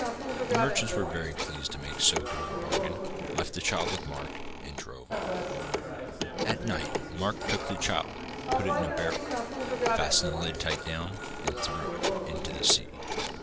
The merchants were very pleased to make so good a bargain, left the child with Mark, and drove off. At night Mark took the child, put it in a barrel, fastened the lid tight down, and threw it into the sea.